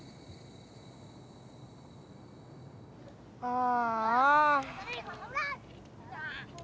ああ。